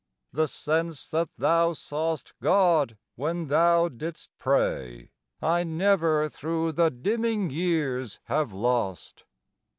(The sense that thou saw'st God when thou didst pray I never through the dimming years have lost.)